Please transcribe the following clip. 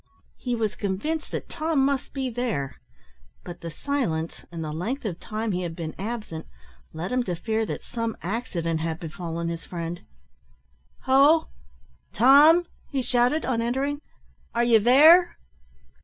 He was convinced that Tom must be there; but the silence, and the length of time he had been absent, led him to fear that some accident had befallen his friend. "Ho! Tom!" he shouted, on entering, "are you there?"